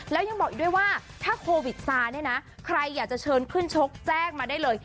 แล้วยังบอกอีกด้วยว่าถ้าโควิดซาเนี่ยนะใครอยากจะเชิญขึ้นชกแจ้งมาได้เลย